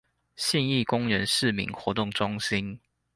信義公園市民活動中心